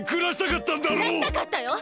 くらしたかったよ！